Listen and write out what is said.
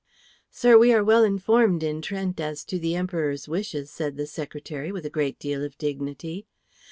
"Sir, we are well informed in Trent as to the Emperor's wishes," said the secretary, with a great deal of dignity.